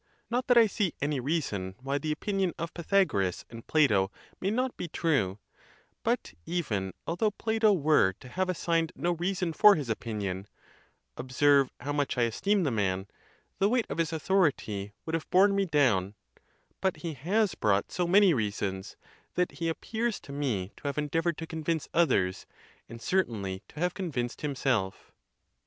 Not that I see any reason why the opinion of Pythagoras and Plato may not be trne; but even although Plato were to have assigned no reason for his opinion (ob serve how much I esteem the man), the weight of his au thority would have borne me down; but he has brought so many reasons, that he appears to me to have endeav ored to convince others, and certainly to have convinced himself.